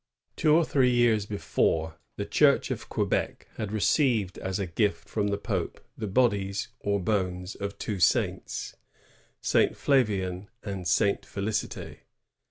"^ Two or three years before, the Church of Quebec had received as a gift from the Pope the bodies or bones of two saints, — Saint Flavian and Saint F^licit^.